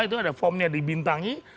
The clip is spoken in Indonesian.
itu ada formnya dibintangi